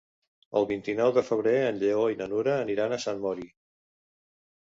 El vint-i-nou de febrer en Lleó i na Nura aniran a Sant Mori.